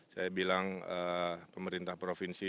saya bilang pemerintah provinsi